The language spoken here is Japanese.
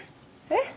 えっ？